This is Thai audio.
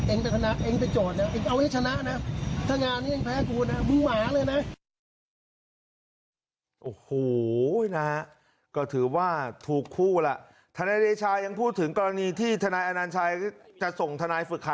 เองเป็นทนักเองเป็นโจทย์นะเองเอาให้ชนะนะ